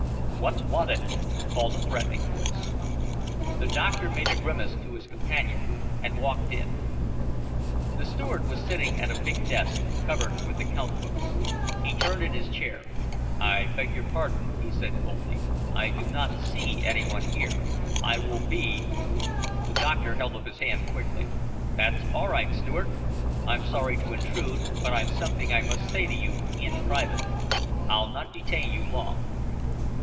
"What's wanted?" called a threatening voice. The doctor made a grimace to his companion and walked in. The Steward was sitting at a big desk, covered with account books. He turned in his chair. "I beg your pardon," he said coldly, "I do not see any one here. I will be " The doctor held up his hand quickly. "That's all right, Steward. I'm sorry to intrude, but I've something I must say to you in private. I'll not detain you long."